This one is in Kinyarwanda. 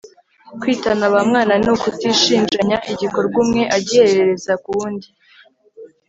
kwitana bamwana ni ugutushinjanya igikorwa umwe agiherereza ku wundi